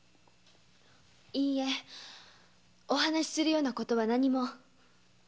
いいえお話するような事は何も。